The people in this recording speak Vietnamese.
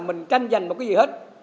mình tranh giành một cái gì hết